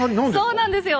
そうなんですよ